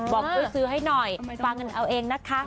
บอกสื้อให้หน่อยฟางเงินเอาเองนะคะ